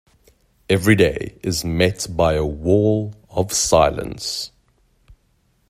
Every day it is met by a wall of silence.